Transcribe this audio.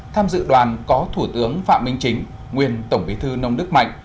tham dự đoàn có thủ tướng phạm minh chính nguyên tổng bí thư nông đức mạnh